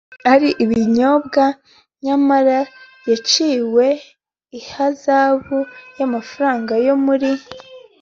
Ari ibinyoma nyamara yaciwe ihazabu y amafaranga yo muri